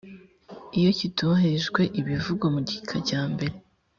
iyo kitubahirije ibivugwa mu gika cya mbere